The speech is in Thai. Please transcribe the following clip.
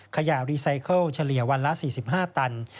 ขยะรีไซเคิลเฉลี่ยวันละ๔๕ตัน